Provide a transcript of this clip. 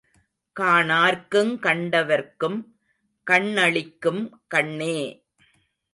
காணார்க்குங் கண்டவர்க்கும் கண்ணளிக்கும் கண்ணே!